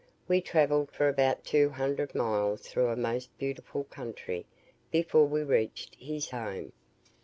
We travelled for about two hundred miles through a most beautiful country before we reached his home.